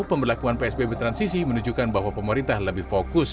pemberlakuan psbb transisi menunjukkan bahwa pemerintah lebih fokus